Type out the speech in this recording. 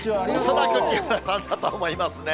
恐らく木原さんだと思いますね。